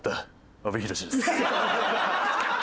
阿部寛です。